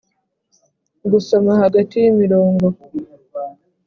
gusoma hagati y'imirongo